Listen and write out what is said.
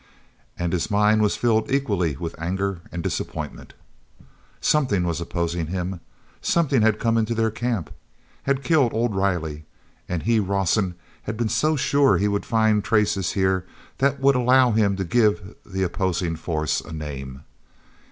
And his mind was filled equally with anger and disappointment. omething was opposing him! Something had come into their camp—had killed old Riley. And he, Rawson, had been so sure he would find traces here that would allow him to give that opposing force a name....